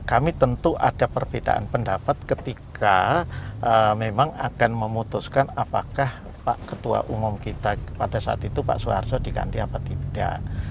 kami tentu ada perbedaan pendapat ketika memang akan memutuskan apakah pak ketua umum kita pada saat itu pak soeharto diganti apa tidak